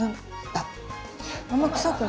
あっ。